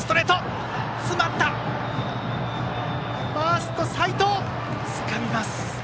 ファースト齋藤、つかみました。